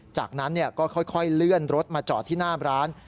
จากนั้นก็ค่อยเลื่อนรถมาจอดที่หน้าร้าน